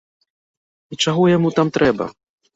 І чаго яму там трэба?